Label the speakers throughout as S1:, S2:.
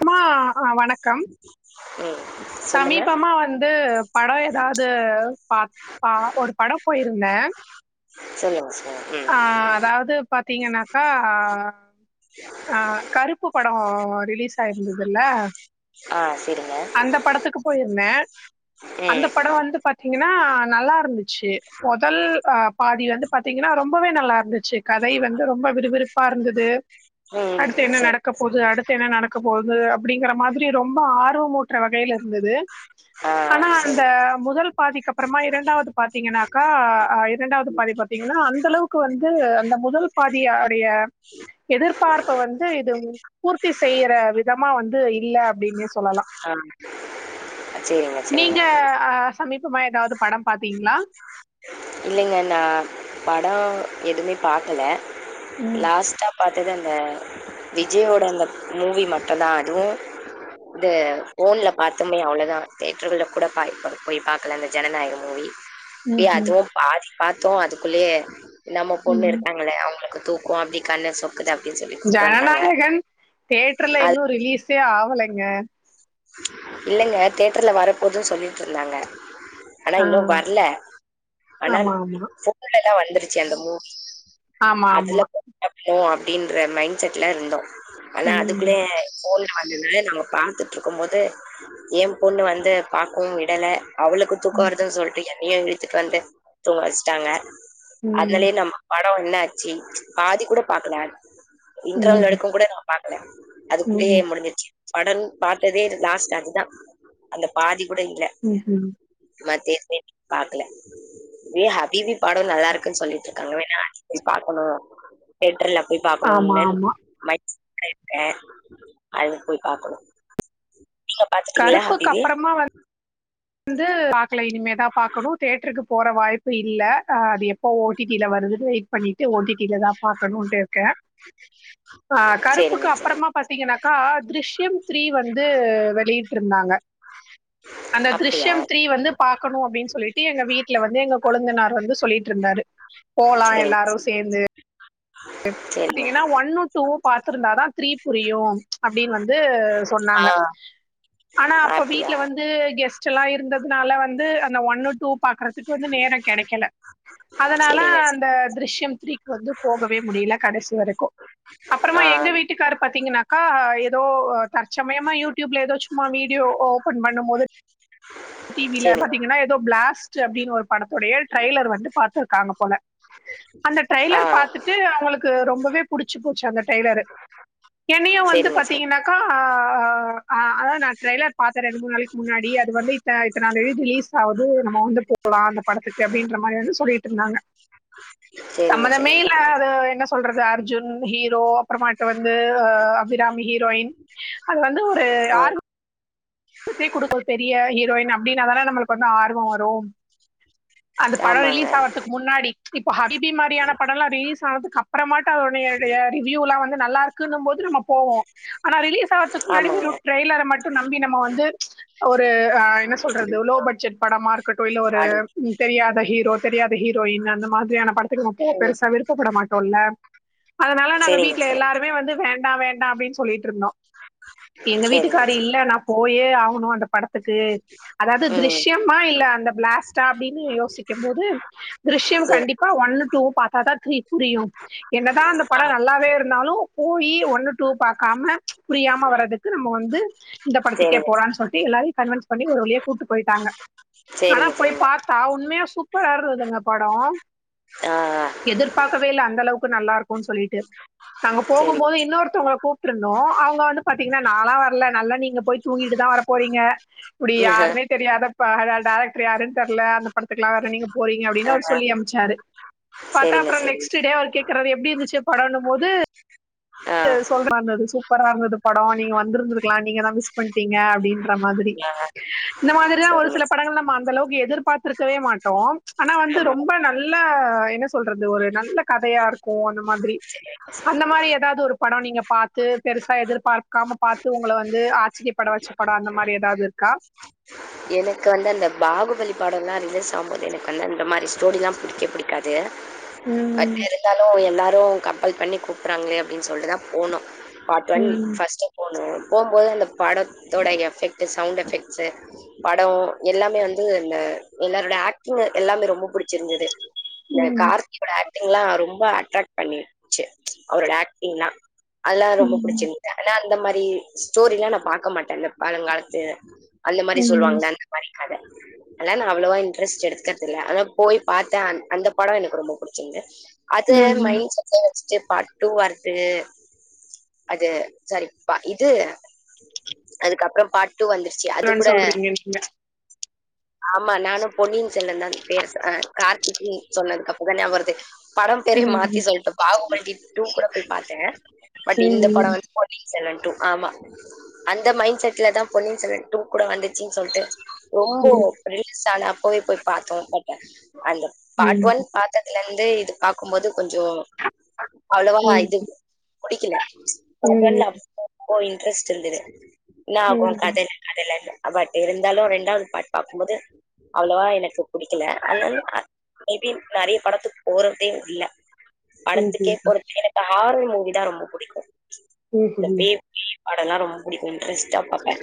S1: ம்மா வ வணக்கம்
S2: ம் சொல்லுங்க
S1: சமீபமா வந்து படம் எதாது பாட் பா ஒரு படோ போயிருந்தே
S2: சொல்லுங்க சொல்லுங்க ம்
S1: ஆஹ் அதாவது பாத்தீங்கன்னாக்கா ஆஹ் கருப்பு படோ ரிலீஸ் ஆயிருந்ததுல்ல
S2: ஆ சரிங்க
S1: அந்த படத்துக்கு போயிருந்த அந்த
S2: ம்
S1: படோ வந்து பாத்தீ ங்ன்னா நல்லா இருந்து ச்சு மொதல் அ பாதி வந்துப் பாத்தீங்கனா ரொம்பவே நல்லா இருந்து ச்சு கதை வந்து ரொம்ப விறுவிறுப்பா இருந்தத
S2: ம்
S1: அடுத்து என்ன
S2: சரி
S1: நடக்க போது அடுத்து என்ன நடக்க போ [unintelligible] அப்டிங்கற மாதிரி ரொம்ப ஆர்வமூ ட்றவகைல ந்தது
S2: ஆ
S1: ஆனா அந்த
S2: சரி
S1: முதல் பாதிக்கு அப்றமா இரண்டாவது பாத்தீங்கனாக்கா அ இரண்டாவது பாதி பாத்தீங்கன்னா அந்த அளவுக்கு வந்து அந்த முதல் பாதியா உடய எதிர்பார்ப்ப வந்து இது பூர்த்தி செய்யற விதமா வந்து இல்ல அப்டினே
S2: ஆமா
S1: நீங்க ஆ சமீப மயகாது
S2: இல்லிங்க நா படோ எதுமே பாக்கல
S1: ம்.
S2: லாஸ்டா பாத்தது அந்த விஜயோட அந்த மூவி மட்டுந்தா அதுவு இது ஓன்ல பாத்தமே அவ்ளோதா தேட்டர்கல கூட பாய் போய் பாக்கல அந்த ஜனநாயகம் மூவி ஏ
S1: ம்ஹ்ம்.
S2: அதுவு பாதி பாத்தோ அதுக்குள்ளயே நம்ம பொண்ணு
S1: ம்.
S2: இருக்காங்கள அவுங்ளுக்கு தூக்கோ அப்டி கண்ணா சொ திட அப்டின் சொல்லி கூட்டு வந்ட்டாங்க
S1: தேட்டர்ல இன்னு ரிலீஸ் சே ஆவலேங்க
S2: இல்லங்க தேட்டர்ல வர போதுன்னு சொல்லிட்டிருந்தாங்க ஆனா
S1: ஆ.
S2: இன்னு வர்ல ஆனான்
S1: ஆமா, ஆமா.
S2: ஃபோன்ல தா வந்துருச்சு அந்த மூவி
S1: ஆமா, ஆமா.
S2: அதுல [unintelligible] அப்டின்ற மைண்ட் செட்ல இருந்தோ ஆனா
S1: ம்.
S2: அதுக்குள்ளே ஃபோன் அதுல நாம பாத்துட்ரு கொம் போது ஏ பொண்ணு வந்து பாக்கவு விடல அவளுக்கு தூக்க
S1: ம்.
S2: வருதுன்னு சொல்ட்டு எ நீ ஏ இழுத்துட்டு வந்த தூங்க வச்டாங்க
S1: ம்.
S2: அதுனாலே நம்ம பா னோ என்னாச்சி பாதி கூட பாக்கல இன்ட்ரவல்
S1: ம்.
S2: வரைக்குங்கூட நா மாட்லயா அதுக்குள்ளயே
S1: ம்.
S2: முடிஞ்சிச்சு படன் பாத்ததே இது லாஸ்ட் அதுதா அந்த பாதி புடுங்ல
S1: ம்ஹ்ம்.
S2: மத்தே பாக்கல இதே ஹபிபீ பட நல்லா இருக்குன்னு சொல்லிட்ருக்காங்க வேணா அத போய் பாக்கணு தேட்டர்ல போய்
S1: ஆமா,
S2: பாகக்கணுன்னே
S1: ஆமா.
S2: [unintelligible] [unintelligible] அதும் போய் பாக்கணு நீங்க பாத்துட்டீங்களா
S1: கருப்புக்கு
S2: ஹபீபி
S1: அப்புறமா வ ந்து பாக் கலா இனிமேதா பாக்கணு தேட்டருக்கு போற வாய்ப்பு இல்ல அது எப்போ ஓ டி டி ல வருதுன்னு வெயிட் பண்ணிட்டு ஓ டி டி லதா பாக்கணுட்டு இருக்கே ஆஹ்
S2: சேரிங்க
S1: கருப்புக்கு
S2: சேரிங்க
S1: அப்புறமா பாசிகனா க்கா த்ரிஷ்யம் தரீ வந்து வெளியிட்ருந்தாங்க அந்த
S2: அப்டியா
S1: த்ரிஷ்யம் த்ரீ வந்து பாக்கணு அப்டின்னு சொல்லிட்டு எங்க வீட்டுல வந்து எங்க கொழுந்தனாரு வந்து சொல்லீட்ருந்தாரு போலா
S2: சேரிங்க
S1: எல்லாரு சேந்து [inaudible]
S2: சேரிங்க
S1: பாத்திங்கன்னா ஒன்னு டூ வு பாத்திருந்தா தா த்ரீ புரியு அப்டின்னு வந்து
S2: ஆ
S1: சொன்னாங்க ஆனா அப்ப
S2: அப்டியா
S1: வீட்டுல வந்து கெஸ்ட் எல்லா இருந்ததுனால வந்து அந்த ஒன்னு டூ பாக்கறதுக்கு வந்து நேரங் கெடைக்கல அதனால
S2: சேரிங்க
S1: அந்த த்ருஷ்யம் த்ரிக்கு வந்து போக வே முடில கடைசி வரைக்கு அப்பறமா
S2: ஆ
S1: எங்க வீட்டுக்காரு பாத்தீங்கன்னாக்கா எதோ தற்சமயமா யூ டியூப்ல எதோ சும்மா வீடியோ ஓபன் பண்ணும் போது டி வி ல
S2: சேரிங்க
S1: பாத்தீங்கன்னா எதோ பிளாஸ் ட் அப்டின்னு ஒரு படத்தோடைய ட்ரைய்லர் வந்து பாத்ருக்காங்க போல அந்த
S2: ஆ
S1: ட்ரைய்லர் பாத்துட்டு அவுங்ளுக்கு ரொம்பவே புடிச்சி போச்சி அந்த டெய்லரு என்னையு வந்து
S2: சேரிங்க சேரி
S1: பாத்தீங்கன்னாக்கா ஆஹ் அதா நா ட்ரெய்லர் பாத்தே ரெண்டு மூணு நாளைக்கு முன்னாடி அது வந்து இத்தனா தேதி ரிலீஸ் ஆவுது நம்ப வந்து போலா அந்த படத்துக்கு அப்டின்ற மாரி வந்து சொல்லிட்ருந்தாங்க
S2: சேரிங்க
S1: சம்பந்தமே
S2: சேரிங்க
S1: இல்லாத என்ன சொல்றது அர்ஜுன் ஹீரோ அப்றமாட்டு வந்து அபிராமி ஹீரோயின் அது வந்து ஒரு
S2: ஆ
S1: யார் சுத்தி குடுக்க தெரியாய் ஹுரோயின் அப்டின்னாதானே நம்ளுக்கு வந்து ஆர்வோ வரு அந்த படோ
S2: ஆமாங்க
S1: ரிலீஸ் ஆவறதுக்கு முன்னாடி இப்போ ஹபிபீ மாரியான படம்லா ரிலீஸ் ஆனது அப்றமாட்டு அவருடைய ரிவியூலா வந்து நல்லா இருக்குன்ன போது நம்ப போவோ ஆனா ரிலீஸ் ஆவறத்க்கு முன்னாடி
S2: ஆமாங்க
S1: வெறு ட்ரெய்லர மட் நம்பின நம்ப வந்து ம்ச் ஒரு ஆ என்ன சொல்றது லோ பட்ஜெட் படமா இருக்கட்டு இல்ல ஒரு
S2: அது
S1: தெரியாத ஹீரோ தெரியாத ஹீரோயின் அந்த மாதிரியான படத் எப்பவோ
S2: ம்
S1: பெருசா விருப்பப்பட மாட்டோ இல்ல அதனால நாங்க
S2: சேரிங்க
S1: வீட்ல
S2: சேரி
S1: எல்லாருமே வந்து வேண் நா வேண்டா அப்டின்னு சொல்லிட்ருந்தோ எங்க
S2: சேரிங்க
S1: வீட்டுக்கார் இல்ல நா போயே ஆகணுன்ற படத்துக்கு அதாது
S2: ம்
S1: த்ரிசியமா இல்ல அந்த பிளாஸ்டா அப்டின்னு யோசிக்கும் போது த்ரிசியம்
S2: சேரி
S1: கண்டிப்பா ஒன்னு டூ பாத் பாத்தா த்ரி புரியு என்னதா அந்த படோ நல்லாவே இருந்தாலு போயி ஒன்னு டூ பாக்காம ம்ச் புரியாம வறதுக்கு நம்ப வந்து இந்த படத்துக்கே
S2: சேரிங்க
S1: போலான்னு சொல்ட்டு எல்லாரு கன்வென்ஸ் பண்ணி ஒரு வழியா கூட்டு போய்ட்டாங்க ஆனா
S2: சேரிங்க
S1: போய்
S2: சேரிங்க
S1: பாத்தா உண்மையா சூப்பரா இருந்ததுங்க படோ
S2: ஆ
S1: எதிர்பாக்கவே இல்ல அந்த அளவுக்கு நல்லாருக் போன் சொல்லிட்டு நாங்க போகும் போது
S2: சேரிங்க
S1: இன்னொருத்தவங்கள கூப்ட்ருந்தோ அவுங்க வந்து பாத்தீங்கன்னா நாலா வர்ல நல்லா நீங் போய் தூங்கிட்டு தா வர போறீங்க இப்டி யாருமே தெரியாத ப டேரக்டர் யாருனு தெர்ல படத்துக்கலா அதா நீங்க போறீங்க அப்டினு அவரு
S2: ஆ
S1: சொல்லி அம்ச்சாரு பாத்தா
S2: சரிங்க,
S1: அப்ற
S2: சரி.
S1: நேக்ஸ்ட்டே அவரு கேக்குறாரு எப்படி இருந்துச்சு படனு போது
S2: ஆ,
S1: [unintelligible] படார்ந்தது படோ நீங்க வந்திருந்துருக்கலா நீங்க தா மிஸ் டிங்க அப்டின்ற மாதிரி
S2: ஆ
S1: இந்த மாதிரிதா ஒரு
S2: சரிங்க.
S1: சில படங்கள நம்ம அந்தளு எதிர்பார்த்திருக்கவே மாட்டோ. ஆனா வந்து
S2: ஆமா.
S1: ரொம்ப நல்ல இல்ல என்ன சொல்றது ஒரு நல்ல கதையா இருக்கு அந்த மாதிரி
S2: சரிங்க சார்.
S1: அந்த மாரி ஏதாவது ஒரு படோ நீங்க பாத்து பெருசா எதிர்பார்க்காம பாத்து உங்கள வந்து வச்ச படம் அந்த மாரி ஏதாவது இருக்கா?
S2: எனக்கு வந்து அந்த பாகுபலி படம் எல்லா ரிலீஸ் ஆகும்போது எனக்கு வந்து அந்த மாரிஸ்டோரிலா பிடிக்கவே பிடிக்காது. கட்ட
S1: ம்.
S2: இருந்தாலு எல்லாரு அப்ற கம்பல் பண்ணி கூப்றாங்களே அப்டினு சொல்ட்டு தா போனோ பார்ட் ஒன்
S1: ம்.
S2: ஃபஸ்டே போணு போகும்போது அந்த படத்தோட எஃபெக்ட்டு சவுண்டு எஃபெக்ட்ஸு படம் எல்லாமே வந்து அந்த எல்லாரோட ஆக்டிங் எல்லாமே ரொம்ப புடிச்சிருந்தது இந்த
S1: ம்.
S2: கார்த்தி கூட ஆக் இதுலா ரொம்ப அட்ராக்ட் பண்ணிருச்சு அவரோட ஆக்டிங்லா அலாரமும்
S1: ம்.
S2: புடிச்சிருந்து ஆனா அந் இந்த மாரி ஸ்டோரிலா நா பாக்க மாட்டே அந்த பழங்காலத்து அந்த மாரி
S1: ம்.
S2: சொல்வாங்களா அந்த மாரி அத அதெல்லா அவ்வளவா இன்ட்ரெஸ்ட் எடுக்கறதில்ல அதா போய் பாத்தே அந் அந்த பட எனக்கு ரொம்ப புடிச்சிருந்துச்சு அது
S1: ம்.
S2: மைன் [unintelligible] பாட் டுஉ வருது அது சரிப்பா, இது அதுக்கப்பற பா உட்டு வந்துருச்சு அது
S1: ன்னு
S2: கூட
S1: சொல்றீங்க நீங்க.
S2: ஆமா நானு பொன்னியின் செல்லந்தா பேரு அஹ் கார்த்திக்கு சொன்னதுக்கு அப்புற தா‌ நாபக வருது பட பெரிய மாத்தி
S1: ம்.
S2: சொல்லிட்டு பாகுபலி டூ கூட போய் பாத்தே பட் இந்த படோ
S1: ம்.
S2: வந்து போலீசா நடுத் டூ ஆமா அந்த மைண்ட செட்ல தா பொண்ணீயன் சொல்வன் டூ கூட வந்துச்சு சொ ட்டு ரொம்போ பெருசால போய் போய் பாத்தோ பட் அந்த பார்ட்
S1: ம்.
S2: ஒன் பாத்ததுல இருந் தே இது பாக்கும்போது கொஞ்சோ அவளோவ நா
S1: ம்.
S2: இது புடிக்கல பாகல
S1: ம்.
S2: அப்அப்போ இருந் ரெஸ்ட் எழுதிரு நா ஒ
S1: ம்.
S2: கதல் கதலால்ல ஆ பட் இருந்தாலு ரெண்டாவது பாட் பாக்கு போது அவ்ளோவா எனக்கு புடிக்கல அதன அ மேபி நெறையக் படத்துக்கு போறதே இல்ல படத்துக்கே
S1: ம்.
S2: போறக் எனக்கு ஆர்வோம் மூவிதா ரொம்ப பிடிக்கு
S1: ம் ம்
S2: படலா ரொம்பிடிக்கு இன்ட்ரெஸ் பிச்சா பாப்பே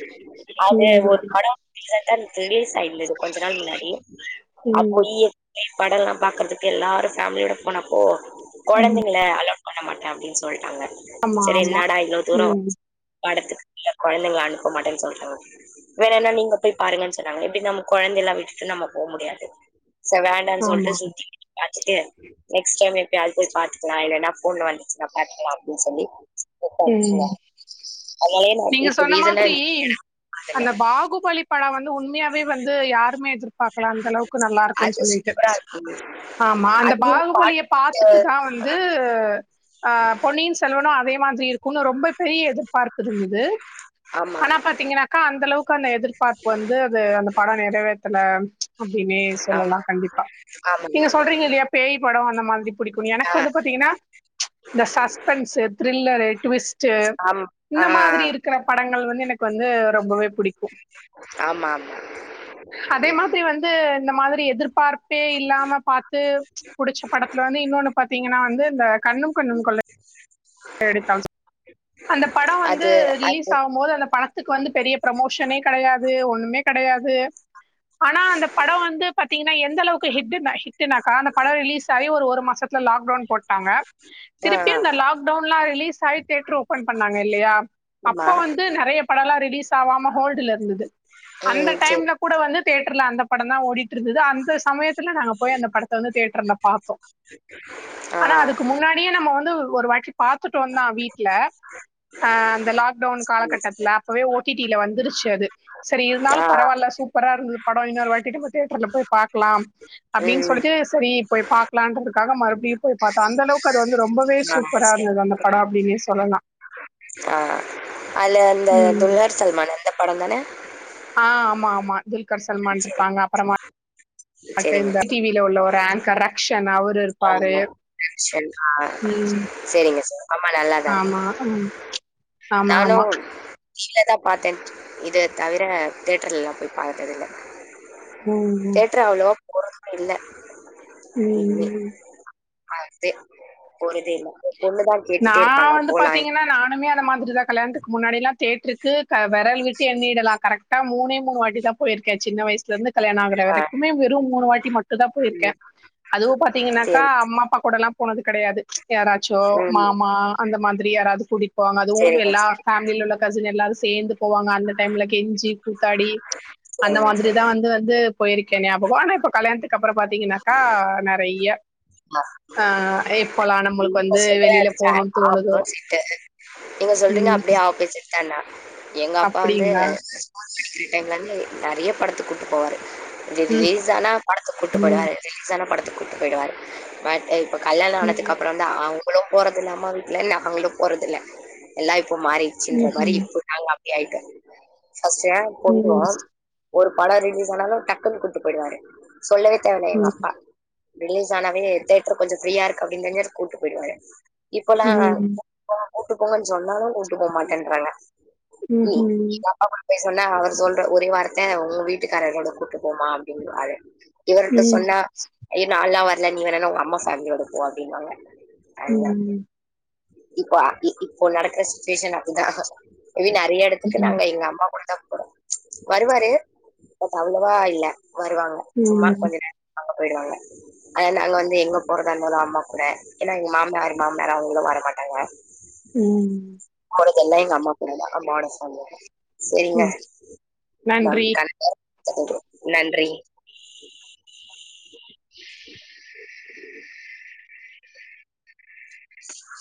S2: ஆது
S1: ம்ஹ்ம்.
S2: ஒரு
S1: ம்.
S2: படோ ரிசென் தன் ரிலீஸ் ஆய் இல்ல இது கொஞ்ச நாள் முன்னாடி அப்போ
S1: ம்.
S2: இ யே நீ படோலா பாக்குறதுக்கு எல்லாரு ஃபேமிலியோட போனப்போ
S1: ம்.
S2: கொழந்தைங்கள அலோட் பண்ண மாட்டே அப்டின்னு சொல்ட்டாங்க
S1: ஆமா,
S2: செரி
S1: ஆமா.
S2: என்னடா இவ்ளோ தூரோ
S1: ம்.
S2: படத்துக்கு இல்ல கொழந்தைங்களே அனுப்ப மாட்டேனு சொல்றாங்க வேற என்ன நீங்க போய் பாருங்கன்னு சொன்னாங்க எப்டி நம்ம கொழந்தைலா விட்டுட்டு நம்ம போவ முடியாது சே வேண்டான்னு சொல்லிட்டு
S1: ஆமா.
S2: சுத்தி பாத்துட்டு நெக்ஸ்ட் டைம் எப் அல் போய் பாத்துக்கலா இல்லனா ஃபோன் வந்துச்சுன்னா பாத்துக்கலா அப்டின்னு சொல்லி எப்ப
S1: ம்.
S2: அட்சிங்க பைய
S1: நீங்க சொன்ன மாதிரி
S2: பாத்தேங்க
S1: அந்த பாகுபலி படோ வந்து உண்மையாவே வந்து யாருமே எதிர் பாக்கலா அந்த அளவுக்கு நல்லா இருக்குன்னு
S2: அது
S1: சொல்லிட்டு
S2: சூப்பரா இருக்கு
S1: ஆமா அந்த
S2: அதுலயு
S1: பாகுபலிய
S2: பாட்டு
S1: பாத்துட்டுதா வந்து ஆ பொண்ணியின் செல்வனு அதே மாதிரி இருக்குனு ரொம்ப பெரிய எதிர்பார்ப்பு இருந்தது
S2: ஆமா
S1: ஆனா பாத்தீங்கன்னாக்கா அந் அந்தளவுக் கு எதிர்பார்ப்பு வந்து அது அந்த படோ நெறவேத்தல அப்படின்னே
S2: ஆமா
S1: சொல்லலா கண்டிப்பா
S2: ஆமாங்க,
S1: நீங்க
S2: ஆமாங்க.
S1: சொல்றீங்க இல்லயா பேய் படோ அந்த மாதிரி புடிக்கும்
S2: ஆ,
S1: எனக்கு வந்து பாத்தீங்கன்னா இந்த சஸ்பென்ஸ் திரில்லரு ட்விஸ்ட்
S2: ஆம். ஆ,
S1: இந்த மாதிரி இருக்கிற படங்க ள் வந்து எனக்கு வந்து ரொம்பவே புடிக் கு
S2: ஆமா, ஆமா.
S1: அதே
S2: இப்
S1: மாதிரி வந்து இந்த மாதிரி எதிர்பார்ப் பே இல்லாம பாத்து புடிச்ச படத்துல வந்து இன்னொன்னு பாத்தீங்கன்னா வந்து இந்த கண்ணும் கண்ணும் கொள்ள அடித்த அந்த படோ வந்து
S2: அது
S1: ரிலீஸ்
S2: அது
S1: ஆவமோது அந்த படத்துக்கு வந்து பெரிய ப்ரமோஷனே கெடையாது ஒண்ணுமே கெடை அது ஆனா அந்த படோ வந்து பாத்தீங்கன்னா எந்த அளவுக்கு ஹிட் ஹிட் னுக்கா அந்த படம் ரிலீஸ் ஆயி ஒரு மாசத்துல லாக் டவுன் போட்டாங்க
S2: ஆ,
S1: திருப்பி
S2: ஆ,
S1: அந்த லாக்டவுன் லா ரிலீஸ் ஆயி தியேட்டர் ஓபன் பண் னாங்க இல்லையா
S2: ஆமா.
S1: அப்ப வந்து நெறைய படலா ரிலீஸ் ஆவாம ஹோல்டுல இருந்தது அந்த
S2: ம். சரி.
S1: டைம்ல கூட வந்து தேட் ர்ல அந்த பட தா ஓடிட்டு இருந்தது அந்த சமயத்துல நாங்க போய் அந்த படத்த வந்து தேட்டர்ல பார்த்தோ
S2: ஆ.
S1: ஆனா அதுக்கு முன்னாடியே நம்ம வந்து ஒருவாட்டி பாத்துட்டோந்தா வீட்ல ஆஹ் அந்த லாக்டவுன்
S2: எஸ்,
S1: காலகட்டத்துல
S2: எஸ்.
S1: அப்பவே ஓ டி டி ல வந்துருச்சு அது சரி இருந்தாலு
S2: ஆ.
S1: பரவாயில்ல சூப் அரா இருந்தது பட இன்னொரு வாட்டி நம தேட்டர்ல போய் பாக்கலா அப்டின்னு
S2: ம்.
S1: சொல்லிட்டு சரி போய் பாக்கலாம்றதுக்காக மறுபடியும் போய் பாத்தோ அந்தளவுக் அது வந்து ரொம்பவே
S2: ஆ,
S1: சூப்பரா இருந்தது அந்த பட அப்படின்னே சொல்லலா
S2: ஆஹ் அல அந்த துல்ஹார் சல்மான் இந்த படந்தானே
S1: ஆஹ் ஆமா ஆமா துல்கர் சல்மான்
S2: சரி.
S1: இருப்பாங்க அப்பறமா அட்ட
S2: சரிங்க
S1: இந்த டி
S2: சார்.
S1: வி ல உள்ளவர் ஆங்கரெக்ஷன் அவர்
S2: ஆமா ரக்க்ஷன் ஆஹ்
S1: ம்
S2: சரிங்க சார் அம்மா நல்லாதா இருக்கு
S1: ஆமா ம் ஆமா
S2: நானு
S1: ஆமா
S2: டிவிலதா பாத்தே இது தவிர தேட்டர்ல எல்லா போய் பாத்தது இல்ல
S1: உம் உம்
S2: [unintelligible] இல்ல
S1: உம் ம்
S2: ஃபஸ்டே போனதே இல்ல பொண்ணுதா
S1: நா
S2: கேட்டுட்டே இருப்பாங்க
S1: வந்து
S2: போலா
S1: பாத்தீங்கனா நானுமே அ மாதிரி தா கல்யாணதுக் முன்னாடிலா தேட்ருக்கு வெரல் விட்டு என்னிடலா கரக் டா மூனே மூ மூனு வாட்டி தா போய்ருக்கே சின்ன வயசுலருந்து கல்யாண ஆகுற
S2: ஆ
S1: வரைக்குமே வெரூ மூனு வாட்டி மட்டுதா போய்ருக்கே
S2: ம்
S1: அதுவு பாத்தீங்கனாக்கா
S2: சேரி
S1: அம்மா அப்பா கூடலாப் போனது கெடையாது யாராச்சோ
S2: ம்
S1: மாமா அந்த மந் திரி யாராவ்து கூட்டிட் போவாங்க அதுவு
S2: சேரிங்க
S1: எல்லா
S2: சேரிங்க
S1: ஃபேம்லில உள்ள கசின் எல்லாரு சே தேந்துப் போவாங்க அந்த டைம்ல கெஞ்சி கூத்தாடி அந்த
S2: சேரிங்க
S1: மாதிரி தா
S2: சேரிங்க
S1: வந்து வந்து போய்ருக்கே ஞாபகோ ஆனா இப்போ கல்யாண்துக்கப் அப்றோ பாத்தீங்கனாக்கா நெறைய ஆஹ் ஏப் போலா நம்ளுக்கு வந்து வெளி
S2: ஆ ஆப்போசீட்டு நீங்க சொல்றீங்க
S1: ம்.
S2: அப்டியே ஆபோசீட் தன்னா எங்க அப்பா வந்து
S1: அப்டிங்களா
S2: [unintelligible] [unintelligible] டைம்லருந்து நெறைய படத்துக் கூப்ட்டு போவாரு கொஞ்ச
S1: ம்
S2: ரிலீஸ் ஆனா படத்துக் கூப்ட்டு போய்டுவாரு ரிலீஸ் ஆனா படத் கூப்ட்டு போய்டுவாரு [unintelligible] இப்ப கல்யானோ ஆன
S1: ம்
S2: த்துக்கப்புறந்தா அவுங்ளு போறதில்ல அம்மா வீட்ல நாங்களு போறதில்ல எல்லா இப் ப மாறிச்சின்ற மாறி
S1: ம்ஹ்ம்
S2: இப் நாங்க அப் டி ஆயிட்டோ ஃபஸ்ட்ல்லா போய்டுவோ
S1: ம்
S2: ஒரு படோ ரிலீஸ் ஆனாலு டக்குன்னு கூப்ட்டு போய்டுவாரு சொல்லவே தேவல
S1: ம்
S2: எங்க அப்பா ரிலீஸ் ஆனாவே தேட்டர் கொஞ்ச ஃரீயா இருக் கு அப்படின் தெஞ்சாலே கூப்ட்டு போயிடுவாங்க இப்போலா
S1: ம்
S2: [unintelligible] கூட்டு போங்கன்னு சொன்னாலு கூட்டு போ மாட்டேன்றாங்க உம்
S1: ம்ஹ்ம்
S2: சொன்னா அவர் சொல்ற ஒரே வார்த்த உங்க வீட்டுக்காரர்ரோட கூட்டு போமா அப்டின்வாரு
S1: ம்
S2: இவர்ட்ட
S1: ம்
S2: சொன்னா ஐயோ நாலா வர் ல நீ வேணுனா உங்க அம்மா ஃபேமிலியோட போ அப்டின்னு வாங்க ஆமா
S1: ம்
S2: இப்பா இப்போ நடக்கற சிச்சுவேஷன் அது தா இதுவே நறைய எடத்துக்கு நாங்க எங்க அம்மா கூட தா [inaudible] வருவாரு பட் அவ்ளவா இல்ல வருவாங்க சும்மா
S1: ம் ம்
S2: கொஞ்ச நேரோ அவ்ள தா போயிடுவாங்க அது நாங்க வந்து எங்க போற தா இருந்தாலு அம்மா கூட ஏனா எங்க மாமனார் மாமனார் அவங்களு வர மாட்டாங்க
S1: உம்
S2: எல்லா எங்க அம்மா கூட தா அம்மாவோட சொந்தோ சரிங்க
S1: ம்
S2: நா
S1: நன்றி
S2: கணக் [unintelligible] நன்றி [inaudible]